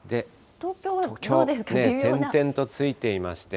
東京は点々とついていまして、